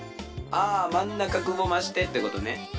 あまんなかくぼましてってことね。